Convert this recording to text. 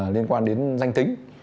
liên quan đến danh tính